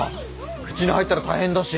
口に入ったら大変だし。